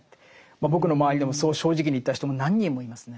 僕の周りでもそう正直に言った人も何人もいますね。